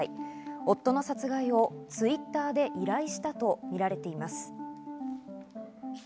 夫の殺害をＴｗｉｔｔｅｒで依頼したとみられています。